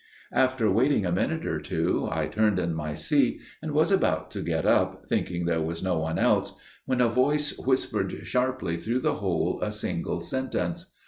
"After waiting a minute or two I turned in my seat, and was about to get up, thinking there was no one else, when a voice whispered sharply through the hole a single sentence.